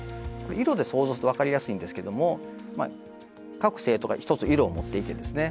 色で想像すると分かりやすいんですけども各生徒が１つ色を持っていてですね